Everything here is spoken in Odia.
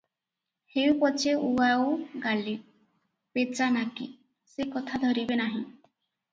ହେଉ ପଛେ ଉଆଉଗାଲୀ, ପେଚାନାକୀ, ସେ କଥା ଧରିବେ ନାହିଁ ।